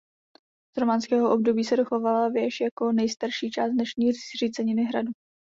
Z románského období se dochovala věž jako nejstarší část dnešní zříceniny hradu.